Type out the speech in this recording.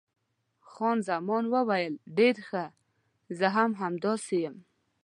خان زمان وویل، ډېر ښه، زه هم همداسې یم.